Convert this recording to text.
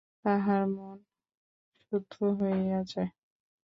তাঁহার মন শুদ্ধ হইয়া যায়।